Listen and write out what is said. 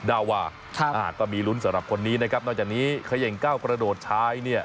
ดาวาก็มีลุ้นสำหรับคนนี้นะครับนอกจากนี้เขย่งก้าวกระโดดชายเนี่ย